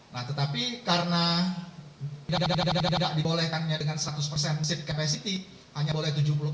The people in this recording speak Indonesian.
nah tetapi karena tidak dibolehkannya dengan seratus persen seat capacity hanya boleh tujuh puluh empat persen